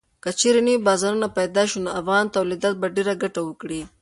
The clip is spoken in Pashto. که چېرې نوي بازارونه پېدا شي نو افغان تولیدات به ډېره ګټه وکړي.